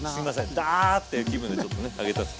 ダー！って気分でちょっとね上げちゃった。